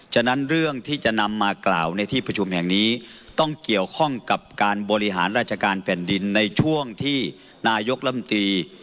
ฉะนั้นเรื่องที่จะนำมากล่าวในที่ประชุมแห่งนี้ต้องเกี่ยวข้องกับการบริหารราชการแผ่นดินในช่วงที่นายกลำตี